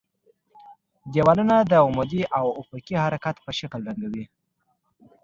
دېوالونه د عمودي او افقي حرکت په شکل رنګوي.